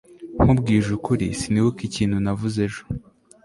nkubwije ukuri, sinibuka ikintu navuze ejo